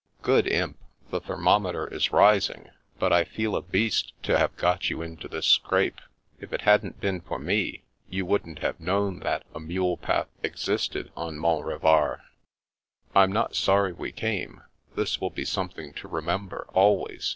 Good Imp I The thermometer is rising. But I feel a beast to have got you into this scrape. If it hadn't been for me, you wouldn't have known that a mule path existed on Mont Revard." " I'm not sorry we came. This will be something to remember always.